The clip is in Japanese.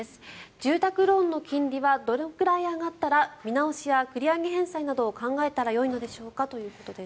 住宅ローンの金利はどのくらい上がったら見直しや繰り上げ返済などを考えたらよいのでしょうか？ということです。